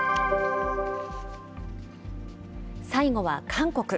最後は韓国。